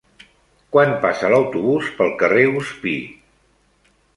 Quan passa l'autobús pel carrer Guspí?